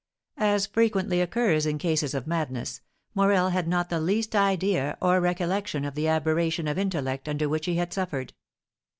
As frequently occurs in cases of madness, Morel had not the least idea or recollection of the aberration of intellect under which he had suffered.